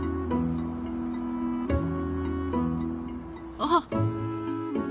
あっ！